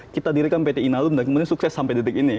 kita dirikan pt inalum dan kemudian sukses sampai detik ini